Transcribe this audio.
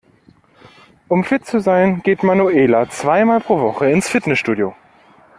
Um fit zu sein, geht Manuela zweimal pro Woche ins Fitnessstudio.